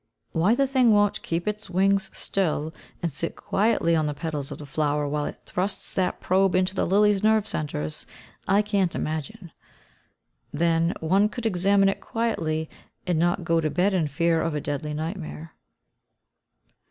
Why the thing won't keep its wings still, and sit quietly on the petals of the flower while it thrusts that probe into the lily's nerve centres, I can't imagine. Then one could examine it quietly, and not go to bed in fear of a deadly nightmare.